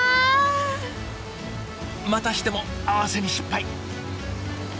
またしても合わせに失敗。